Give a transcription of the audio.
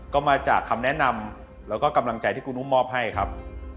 ก็มาจากคำแนะนำแล้วก็กำลังใจที่คุณอุ้มมอบให้ครับ